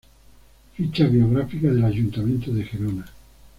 Ficha biográfica del ayuntamiento de Gerona